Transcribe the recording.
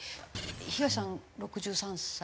東さん６３歳？